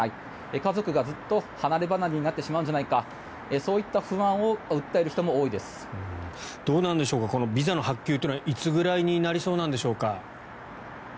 家族がずっと離ればなれになってしまうんじゃないかそういった不安をビザの発給というのはいつぐらいになりそうなんでしょうか。